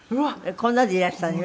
こんなんでいらしたのよ。